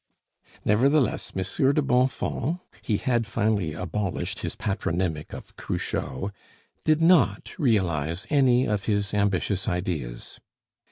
Nevertheless, Monsieur de Bonfons (he had finally abolished his patronymic of Cruchot) did not realize any of his ambitious ideas.